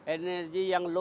energi yang luas